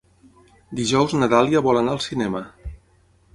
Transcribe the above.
Dijous na Dàlia vol anar al cinema.